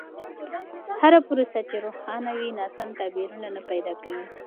هره پروسه چې روښانه وي، ناسم تعبیر نه پیدا کوي.